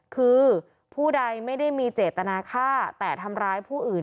คือผู้ใดไม่ได้มีเจตนาฆ่าแต่ทำร้ายผู้อื่น